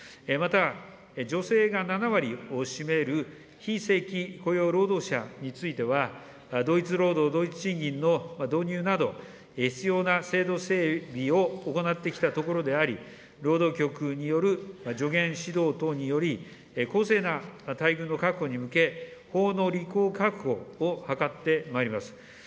また、女性が７割を占める非正規雇用労働者については、同一労働同一賃金の導入など、必要な制度整備を行ってきたところであり、労働局による助言指導等により、公正な待遇の確保に向け、法の履行確保を図ってまいります。